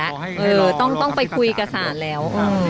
เออต้องไปคุยกับศาลแล้ว